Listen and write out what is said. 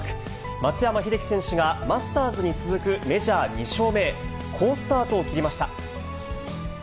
松山英樹選手が、マスターズに続くメジャー２勝目へ、好スタートを切りました。